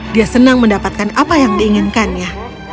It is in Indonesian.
dia senang mendapatkan apa yang diinginkannya